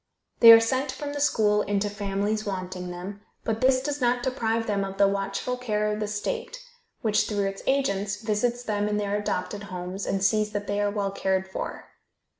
They are sent from the school into families wanting them, but this does not deprive them of the watchful care of the state, which, through its agents, visits them in their adopted homes, and sees that they are well cared for.